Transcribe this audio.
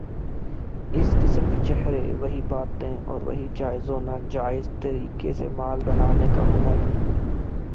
اسی قسم کے چہرے، وہی باتیں اور وہی جائز و ناجائز طریقے سے مال بنانے کا ہنر۔